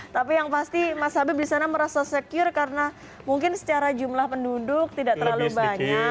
tapi yang pasti mas habib di sana merasa secure karena mungkin secara jumlah penduduk tidak terlalu banyak